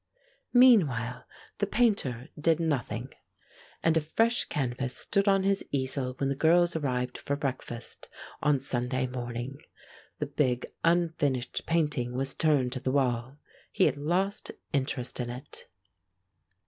Meanwhile, the Painter did nothing, and a fresh canvas stood on his easel when the girls arrived for breakfast on Sunday morning. The big unfinished painting was turned to the wall; he had lost all interest in it.